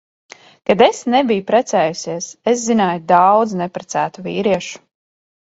Kad es nebiju precējusies, es zināju daudz neprecētu vīriešu.